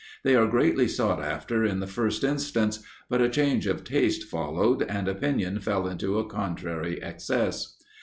They were greatly sought after in the first instance, but a change of taste followed, and opinion fell into a contrary excess.